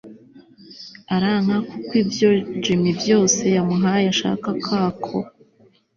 aranka…kuko ivyo Jimmy vyose yamuha ashaka kako